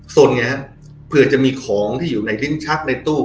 สนไงฮะเผื่อจะมีของที่อยู่ในลิ้นชักในตู้